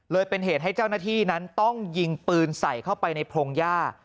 เป็นเหตุให้เจ้าหน้าที่นั้นต้องยิงปืนใส่เข้าไปในโพรงย่า